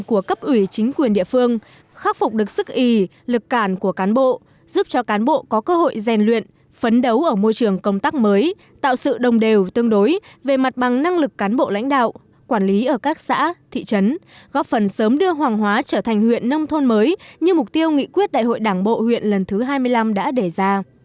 từ chính quyền địa phương đó việc để mỗi xã thị trấn có ít nhất một chức danh cán bộ chủ chốt không phải là người địa phương